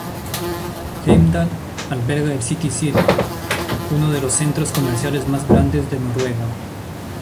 Heimdal alberga el City Syd, uno de los centros comerciales más grandes de Noruega.